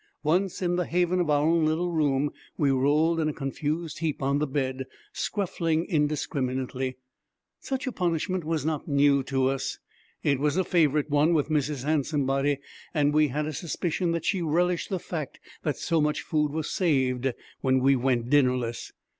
Once in the haven of our little room, we rolled in a confused heap on the bed, scuffling indiscriminately. Such a punishment was not new to us. It was a favorite one with Mrs. Handsomebody, and we had a suspicion that she relished the fact that so much food was saved when we went dinnerless.